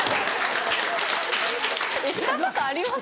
えっしたことあります？